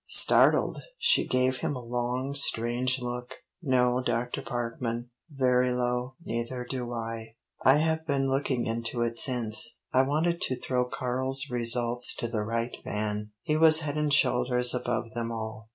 Startled, she gave him a long, strange look. "No, Dr. Parkman," very low "neither do I." "I have been looking into it since. I wanted to throw Karl's results to the right man. He was head and shoulders above them all."